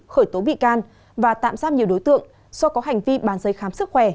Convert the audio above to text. khởi tố bị can và tạm giam nhiều đối tượng do có hành vi bàn giấy khám sức khỏe